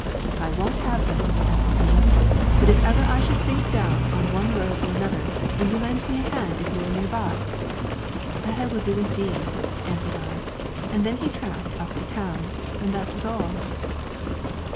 'I won't have them,' answered he, 'but if ever I should sink down on one road or another, will you lend me a hand if you are near by?' 'That I will do, indeed,' answered I; and then he tramped up to town, and that was all.